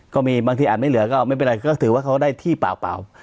ก็มีบางทีอาจไม่เหลือก็ไม่เป็นไรก็ถือว่าเขาได้ที่เปล่า